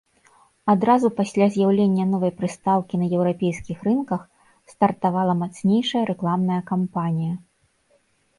Адразу пасля з'яўлення новай прыстаўкі на еўрапейскіх рынках, стартавала мацнейшая рэкламная кампанія.